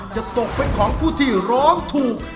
จะตกเป็นของผู้ที่ร้องถูก